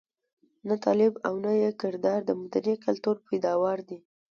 نه طالب او نه یې کردار د مدني کلتور پيداوار دي.